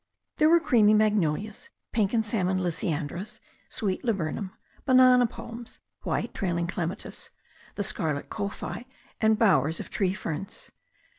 There were creamy magnolias, pink and salmon lasiandras, sweet laburnum, banana palms, white trailing clematis, the scarlet kowhai and bowers of tree ferns.